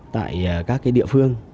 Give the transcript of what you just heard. tại các cái địa phương